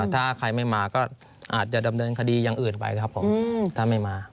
ถ้าใครไม่มาก็อาจจะดำเนินคดีอย่างอื่นไปครับผมถ้าไม่มา